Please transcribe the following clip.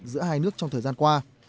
giữa hai nước trong thời gian qua